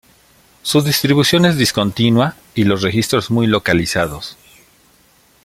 Su distribución es discontinua y los registros muy localizados.